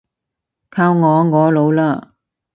靠我，我老喇